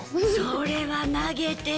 それは投げてる。